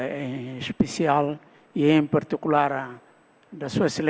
di indonesia terutama dan terutama